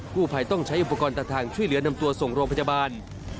ผู้ภัยต้องใช้อุปกรณ์ตัดทางช่วยเหลือนำตัวส่งโรงพยาบาล